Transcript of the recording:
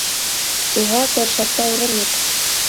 Уға көршәктә урын юҡ.